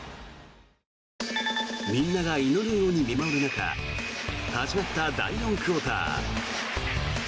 みんなが祈るように見守る中始まった第４クオーター。